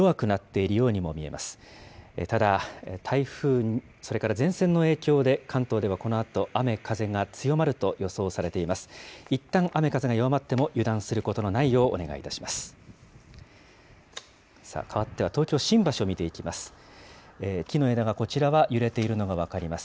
いったん、雨風が弱まっても油断することのないようお願いします。